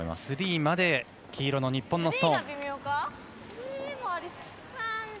スリーまで黄色の日本のストーン。